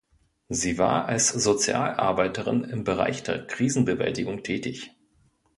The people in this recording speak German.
Sie war als Sozialarbeiterin im Bereich der Krisenbewältigung tätig.